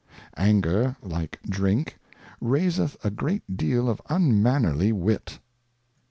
Anger, like Drink, raiseth a great deal of unmannerly Wit.